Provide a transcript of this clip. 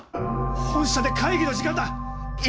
本社で会議の時間だ！